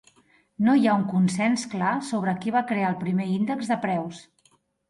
No hi ha un consens clar sobre qui va crear el primer índex de preus.